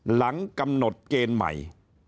หลังกำหนดเกณฑ์ใหม่